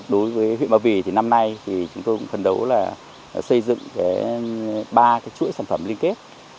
đối với huyện ba vì năm nay chúng tôi phân đấu xây dựng ba chuỗi sản phẩm liên kết